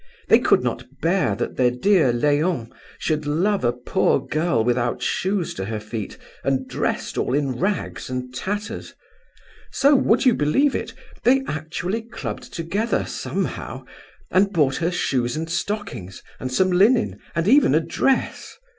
They could not bear that their dear Leon should love a poor girl without shoes to her feet and dressed all in rags and tatters. So, would you believe it, they actually clubbed together, somehow, and bought her shoes and stockings, and some linen, and even a dress!